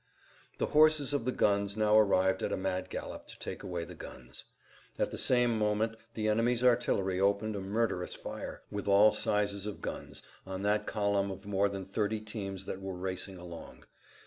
The horses of the guns now arrived at a mad gallop to take away the guns. At the same moment the enemy's artillery opened a murderous fire, with all sizes of guns, on that column of more than thirty teams that were racing along.